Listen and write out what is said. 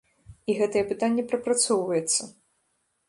І гэтае пытанне прапрацоўваецца.